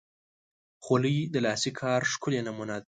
خولۍ د لاسي کار ښکلی نمونه ده.